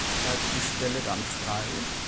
Bleibt die Stelle dann frei?